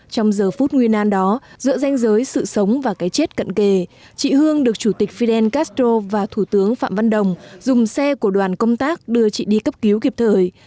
trong giờ phút nguyên an đó giữa danh giới sự sống và cái chết cận kề chị hương được chủ tịch fidel castro và thủ tướng phạm văn đồng dùng xe của đoàn công tác đưa chị đi cấp cứu kịp thời